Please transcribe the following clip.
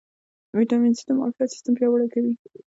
ویټامین سي د معافیت سیستم پیاوړی کوي